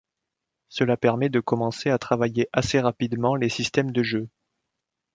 Cela permet de commencer à travailler assez rapidement les systèmes de jeu.